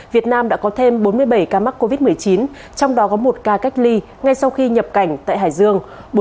việt nam đã có thêm bốn mươi bảy ca mắc covid một mươi chín trong đó có một ca cách ly ngay sau khi nhập cảnh tại hải dương